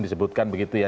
disebutkan begitu ya